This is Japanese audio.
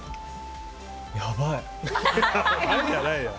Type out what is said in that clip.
やばい。